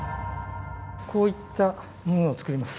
こういったものを作ります。